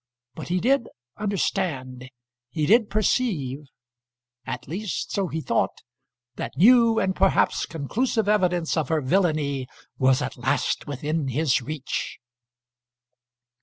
But he did understand, he did perceive at least so he thought, that new and perhaps conclusive evidence of her villainy was at last within his reach.